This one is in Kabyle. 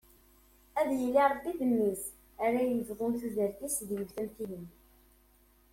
Ad yili Rebbi d mmi-s ara yebḍun tudert-is d yiwet am tihin.